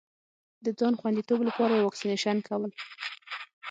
د ځان خوندیتوب لپاره یې واکسېنېشن کول.